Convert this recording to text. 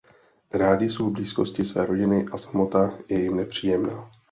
Rádi jsou v blízkosti své rodiny a samota je jim nepříjemná.